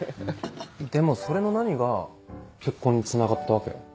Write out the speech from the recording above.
でもそれの何が結婚につながったわけ？